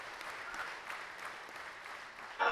نن به څه خورې سړه ورځ پر تېرېدو ده